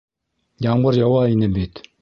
Ямғыр яуа ине бит.